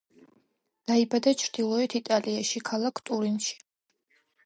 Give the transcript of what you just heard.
დაიბადა ჩრდილოეთ იტალიაში, ქალაქ ტურინში.